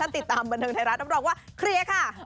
ติดตามบันเทิงไทยรัฐรับรองว่าเคลียร์ค่ะ